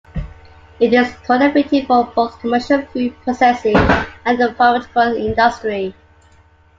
It is cultivated for both commercial food processing and the pharmaceutical industry.